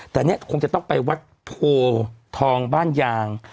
แต่เนี่ยคงจะต้องไปวัดโพทองบ้านยาง